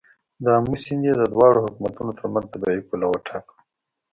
د آمو سیند یې د دواړو حکومتونو تر منځ طبیعي پوله وټاکه.